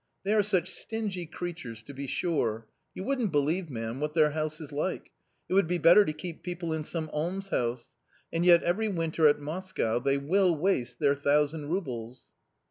They are such stingy creatures, to be sure. You wouldn't believe, ma'am, what their house is like ; it would be better to keep people in some almshouse. And yet every winter at Moscow they will waste their thousand roubles."